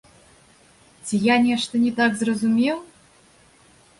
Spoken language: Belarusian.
Ці я нешта не так зразумеў?